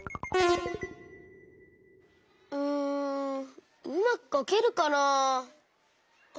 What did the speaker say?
うんうまくかけるかなあ。